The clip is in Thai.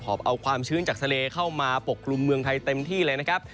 อบเอาความชื้นจากทะเลเข้ามาปกกลุ่มเมืองไทยเต็มที่เลยนะครับ